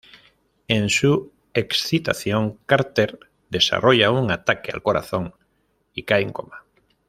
En su excitación, Carter desarrolla un ataque al corazón y cae en coma.